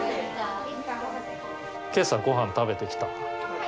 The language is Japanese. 今朝ごはん食べてきた？